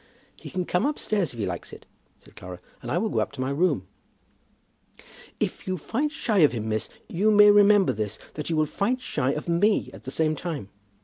"He can come upstairs if he likes it," said Clara; "and I will go up to my room." "If you fight shy of him, miss, you may remember this, that you will fight shy of me at the same time."